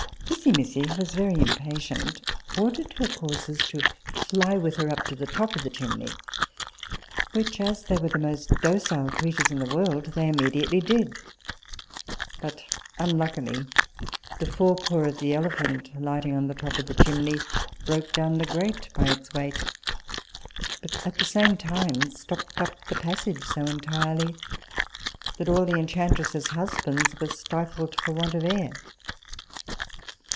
Pissimissi, who was very impatient, ordered her coursers to fly with her up to the top of the chimney, which, as they were the most docile creatures in the world, they immediately did; but unluckily the fore paw of the elephant lighting on the top of the chimney, broke down the grate by its weight, but at the same time stopped up the passage so entirely, that all the enchantress's husbands were stifled for want of air.